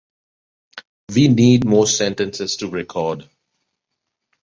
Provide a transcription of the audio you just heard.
We need more sentences to record.